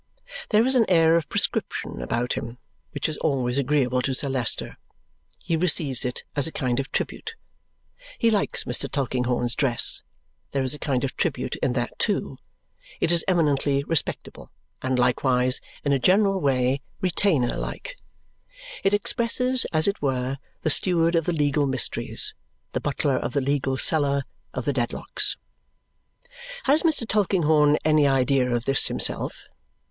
There is an air of prescription about him which is always agreeable to Sir Leicester; he receives it as a kind of tribute. He likes Mr. Tulkinghorn's dress; there is a kind of tribute in that too. It is eminently respectable, and likewise, in a general way, retainer like. It expresses, as it were, the steward of the legal mysteries, the butler of the legal cellar, of the Dedlocks. Has Mr. Tulkinghorn any idea of this himself?